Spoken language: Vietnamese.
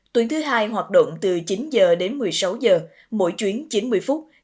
tuyến thứ hai hoạt động từ chín giờ đến một mươi sáu giờ mỗi chuyến chín mươi phút